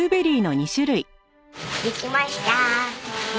できました。